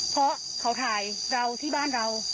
เพราะเขาถ่ายเราที่บ้านเรา